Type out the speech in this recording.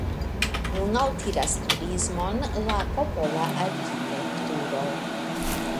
Nun altiras turismon la popola arkitekturo.